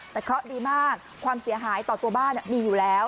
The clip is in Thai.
แต่เคราะห์ดีมากความเสียหายต่อตัวบ้านมีอยู่แล้ว